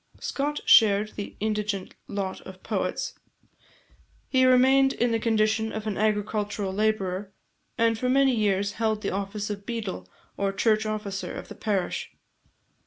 Scott shared the indigent lot of poets. He remained in the condition of an agricultural labourer, and for many years held the office of beadle, or church officer, of the parish.